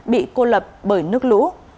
bị cô lập bởi nước lũ